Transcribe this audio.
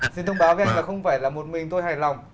xin thông báo với anh là không phải là một mình tôi hài lòng